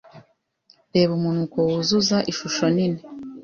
Reba umunuko wuzuza ishusho nini